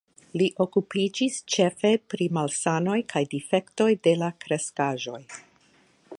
Li okupiĝis ĉefe pri malsanoj kaj difektoj de la kreskaĵoj.